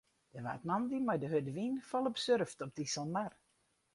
Der waard moandei mei de hurde wyn folop surft op de Iselmar.